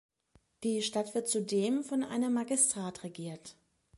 Die Stadt wird zudem von einem Magistrat regiert.